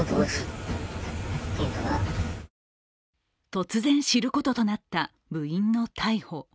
突然知ることとなった部員の逮捕。